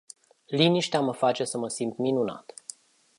Liniștea mă face să mă simt minunat.